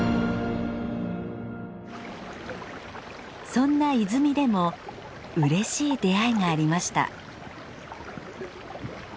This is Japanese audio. そんな泉でもうれしい出会いがありました。